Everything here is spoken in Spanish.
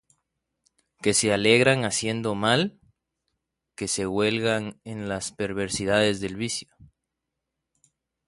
Que se alegran haciendo mal, Que se huelgan en las perversidades del vicio;